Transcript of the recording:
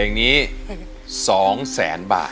เพลงนี้๒แสนบาท